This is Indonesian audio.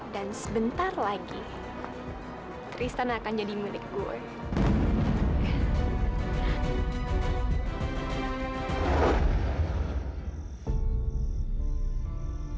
dan sebentar lagi tristan akan jadi milik gue